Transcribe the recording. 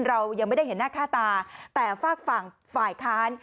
เรายังไม่ได้เห็นหน้าค่าตาแต่ฝากฝั่งฝ่ายค้าน